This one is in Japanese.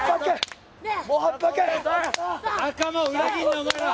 ・仲間を裏切んなお前ら！